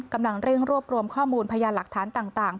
กำลังเร่งรวบรวมข้อมูลพยานหลักฐานต่าง